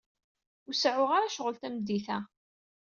Ur seɛɛuɣ ara ccɣel tameddit-a.